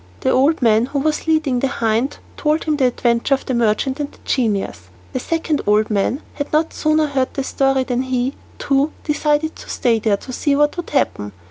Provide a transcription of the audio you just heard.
The old man who was leading the hind told him the adventure of the merchant and the genius. The second old man had not sooner heard the story than he, too, decided to stay there to see what would happen.